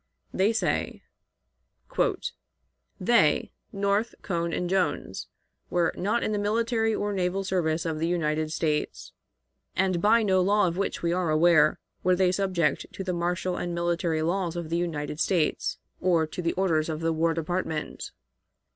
They say: "They, North, Cohn, and Jones, were not in the military or naval service of the United States, and by no law of which we are aware were they subject to the martial and military laws of the United States, or to the orders of the War Department.